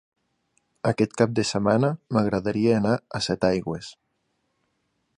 Aquest cap de setmana m'agradaria anar a Setaigües.